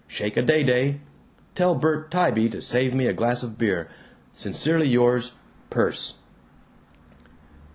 Shake a day day. Tell Bert Tybee to save me a glass of beer. Sincerely yours, Perce.